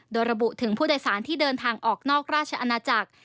โดยระบุถึงผู้โดยสารที่เดินทางออกนอกราชอาณาจักร